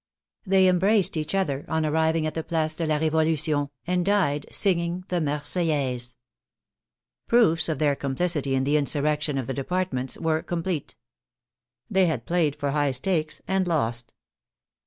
They embraced each other on arriving at the Place de la Revolution, and died singing the Marseillaise. Proofs of their complicity in the insurrection of the departments were complete. They had played for high stakes and lost.